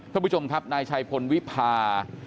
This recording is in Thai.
ท่านผู้ชมครับนายชัยพลวิพา